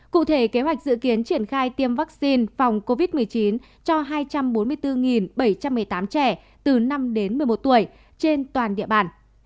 cụ thể kế hoạch dự kiến triển khai tiêm vaccine phòng covid một mươi chín cho hai trăm bốn mươi bốn bảy trăm một mươi tám trẻ từ năm đến một mươi một tuổi trên toàn địa bàn